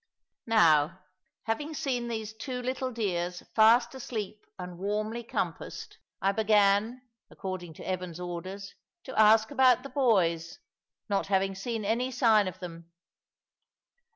Now, having seen these two little dears fast asleep and warmly compassed, I began, according to Evan's orders, to ask about the boys, not having seen any sign of them.